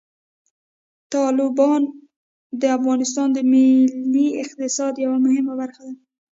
تالابونه د افغانستان د ملي اقتصاد یوه مهمه برخه ده.